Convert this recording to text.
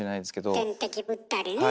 点滴打ったりね。